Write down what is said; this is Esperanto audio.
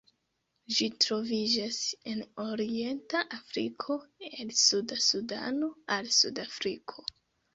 Ĝi troviĝas en orienta Afriko el suda Sudano al Sudafriko.